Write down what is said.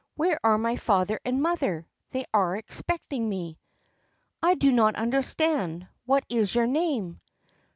Where are my father and mother ? They are expecting me.' ' I do not understand. What is your name